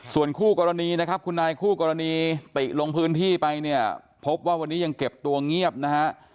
ส่วนคู่กรณีนะครับคุณนายคู่กรณีติลงพื้นที่ไปเนี่ยพบว่าวันนี้ยังเก็บตัวเงียบนะฮะ